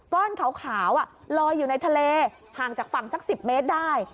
ก้อนขาวลอยอยู่ในทะเลห่างจากฝั่งสัก๑๐เมตรได้